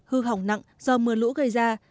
hư hỏng nặng do mưa lũ gây ra